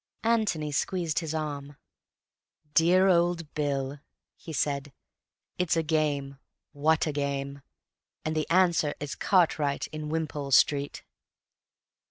Antony squeezed his arm. "Dear old Bill," he said. "It's a game. What a game! And the answer is Cartwright in Wimpole Street."